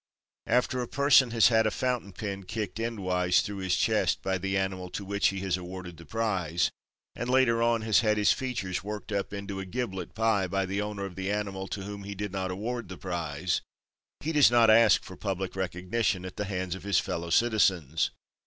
After a person has had a fountain pen kicked endwise through his chest by the animal to which he has awarded the prize, and later on has his features worked up into a giblet pie by the owner of the animal to whom he did not award the prize, he does not ask for public recognition at the hands of his fellow citizens.